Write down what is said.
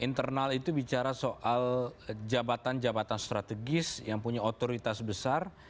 internal itu bicara soal jabatan jabatan strategis yang punya otoritas besar